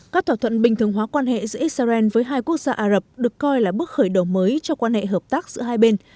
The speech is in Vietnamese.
các thỏa thuận bình thường hóa quan hệ giữa israel với hai quốc gia ả rập được coi là bước khởi đầu mới cho quan hệ hợp tác giữa hai bên